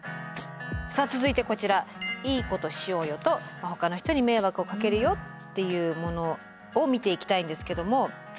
さあ続いてこちら「いいことしようよ」と「他の人に迷惑かけるよ」っていうものを見ていきたいんですけども。